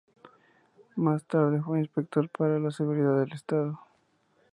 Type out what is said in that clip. Más tarde fue inspector para la Seguridad del Estado.